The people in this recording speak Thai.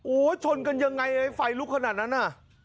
โอ้โหชนกันยังไงไฟลุกขนาดนั้นน่ะ